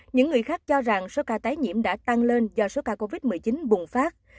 những người khác cho rằng số ca tái nhiễm đã tăng lên do số ca covid một mươi chín bùng phát